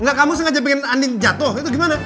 enggak kamu sengaja pengen andin jatuh itu gimana